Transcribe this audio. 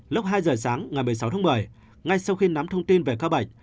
lúc hai h sáng ngày một mươi sáu một mươi ngay sau khi nắm thông tin về ca bệnh